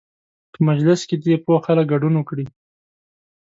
په مجلس کې دې پوه خلک ګډون وکړي.